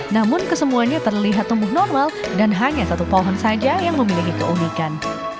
namun kesemuanya terlihat tumbuh normal dan hanya satu pohon saja yang memiliki keunikan